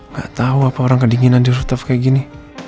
ga tau apa orang kedinginan di rutef kayak gini